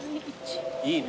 いいね。